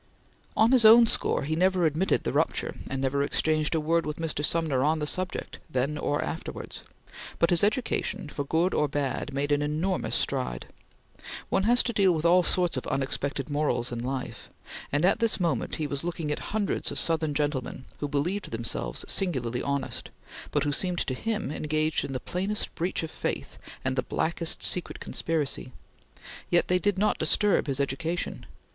On his own score, he never admitted the rupture, and never exchanged a word with Mr. Sumner on the subject, then or afterwards, but his education for good or bad made an enormous stride. One has to deal with all sorts of unexpected morals in life, and, at this moment, he was looking at hundreds of Southern gentlemen who believed themselves singularly honest, but who seemed to him engaged in the plainest breach of faith and the blackest secret conspiracy, yet they did not disturb his education.